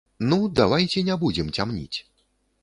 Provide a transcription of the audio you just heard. Ну, давайце не будзем цямніць.